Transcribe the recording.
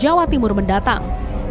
jawa timur mendatang